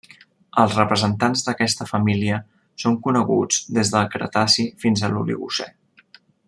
Els representants d'aquesta família són coneguts des del Cretaci fins a l'Oligocè.